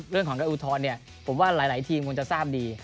เรื่องของการอุทธรณ์เนี่ยผมว่าหลายทีมคงจะทราบดี